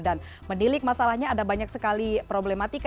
dan mendilik masalahnya ada banyak sekali problematika